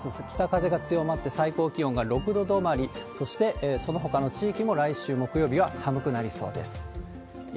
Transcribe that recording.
北風が強まって最高気温が６度止まり、そして、そのほかの地域も来週木曜日は寒くなりそうです。